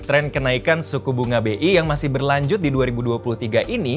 tren kenaikan suku bunga bi yang masih berlanjut di dua ribu dua puluh tiga ini